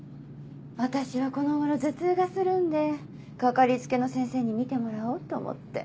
私はこの頃頭痛がするんでかかりつけの先生に診てもらおうと思って。